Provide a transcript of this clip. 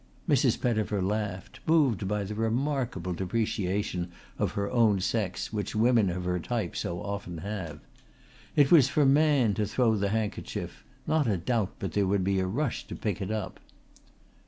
Mrs. Pettifer laughed, moved by the remarkable depreciation of her own sex which women of her type so often have. It was for man to throw the handkerchief. Not a doubt but there would be a rush to pick it up!